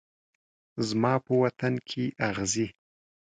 زما په وطن کې اغزي